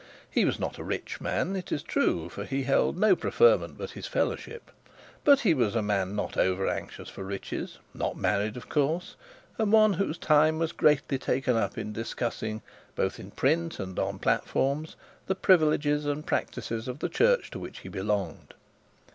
He was not a rich man, it is true, for he held no preferment but his fellowship; but he was a man not over anxious for riches, not married of course, and one whose time was greatly taken up in discussing, both in print and on platforms, the privileges and practices of the church to which he belonged.